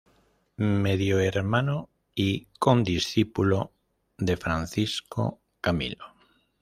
Medio hermano y condiscípulo de Francisco Camilo.